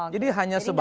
jadi hanya sebatas